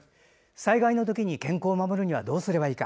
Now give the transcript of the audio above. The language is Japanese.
災害のときに健康を守るにはどうすればいいか。